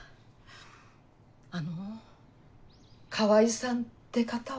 あの川合さんって方は？